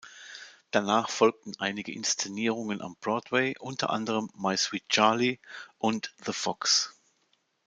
Danach folgten einige Inszenierungen am Broadway, unter anderem "My sweet Charlie" und "The Fox".